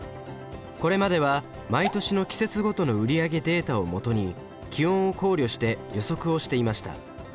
これまでは毎年の季節ごとの売り上げデータをもとに気温を考慮して予測をしていました。